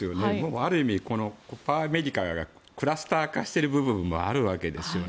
ある意味、コパ・アメリカがクラスター化している部分もあるわけですよね。